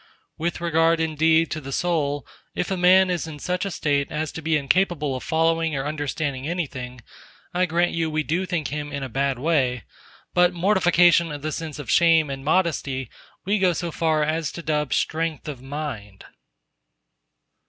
With regard, indeed, to the soul, if a man is in such a state as to be incapable of following or understanding anything, I grant you we do think him in a bad way. But mortification of the sense of shame and modesty we go so far as to dub strength of mind!